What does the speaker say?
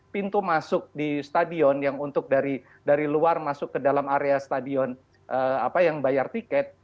pintu masuk di stadion yang untuk dari luar masuk ke dalam area stadion yang bayar tiket